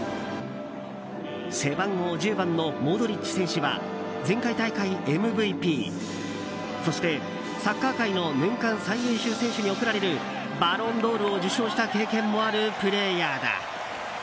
背番号１０番のモドリッチ選手は前回大会ＭＶＰそして、サッカー界の年間最優秀選手に贈られるバロンドールを受賞した経験もあるプレーヤーだ。